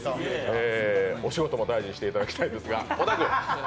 お仕事も大事にしていただきたいですが。